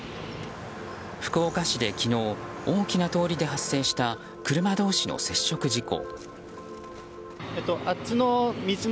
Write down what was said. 福岡市で昨日大きな通りで発生した車同士の接触事故。